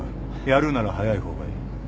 やるなら早い方がいい。